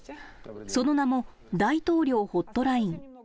その名も、大統領ホットライン。